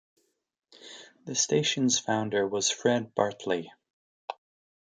The station's founder was Fred Bartley.